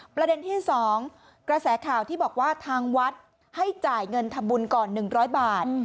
ประเด็นที่๒กระแสข่าวที่บอกว่าทางวัดให้จ่ายเงินทำบุญก่อน๑๐๐บาท